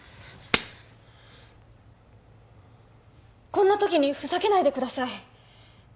こんな時にふざけないでください